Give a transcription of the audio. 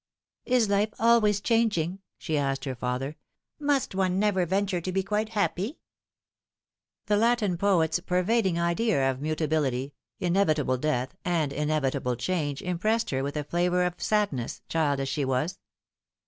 " Is life always changing ?" she asked her father ;" must one never venture to be quite happy ?" The Latin poet's pervading idea of mutability, inevitable death, and inevitable change impressed her with a flavour of Badness, child as she was.